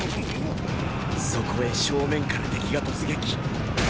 そこへ正面から敵が突撃ーー。